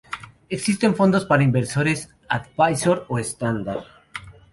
Existen fondos para inversores "advisor" o estándar.